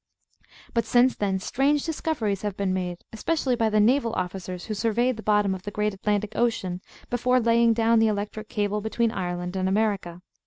But since then strange discoveries have been made, especially by the naval officers who surveyed the bottom of the great Atlantic Ocean before laying down the electric cable between Ireland and America.